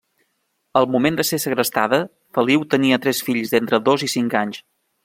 Al moment de ser segrestada, Feliu tenia tres fills d'entre dos i cinc anys.